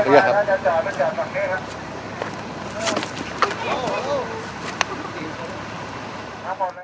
สวัสดีครับทุกคน